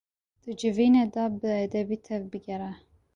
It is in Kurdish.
Di civînê de bi edebî tevbigere.